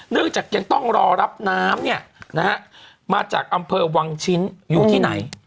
เรื่องจากยังต้องรอรับน้ำเนี่ยนะฮะมาจากอำเภอวังชิ้นอยู่ที่ไหน